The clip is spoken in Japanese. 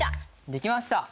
できました！